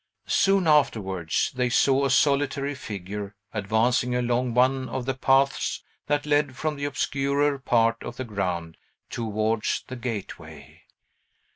Soon afterwards they saw a solitary figure advancing along one of the paths that lead from the obscurer part of the ground towards the gateway.